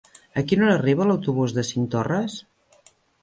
A quina hora arriba l'autobús de Cinctorres?